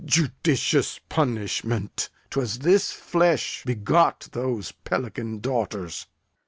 Judicious punishment! 'Twas this flesh begot Those pelican daughters.